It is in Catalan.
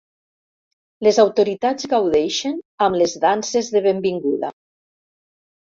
Les autoritats gaudeixen amb les danses de benvinguda.